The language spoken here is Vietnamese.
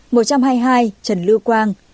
một trăm hai mươi hai trần lưu quang